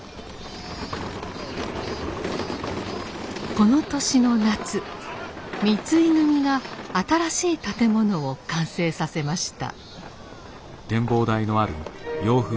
この年の夏三井組が新しい建物を完成させました。